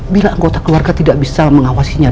bila anggota keluarga tidak bisa mengawasinya